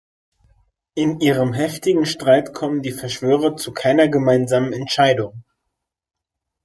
In ihrem heftigen Streit kommen die Verschwörer zu keiner gemeinsamen Entscheidung.